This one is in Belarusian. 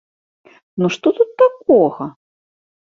Ну што тут такога?